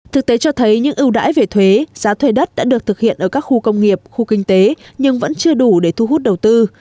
thực tế cho thấy những ưu đãi về thuế giá thuê đất đã được thực hiện ở các khu công nghiệp khu kinh tế nhưng vẫn chưa đủ để thu hút đầu tư